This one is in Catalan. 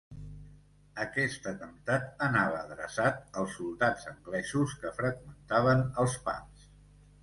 Aquest atemptat anava adreçat als soldats anglesos que freqüentaven els pubs.